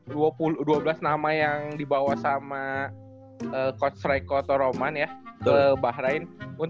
dua belas nama yang dibawa sama coach reko toroman ya ke bahrain